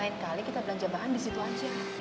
lain kali kita belanja bahan di situ aja